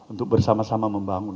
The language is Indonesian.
untuk bersama sama membangun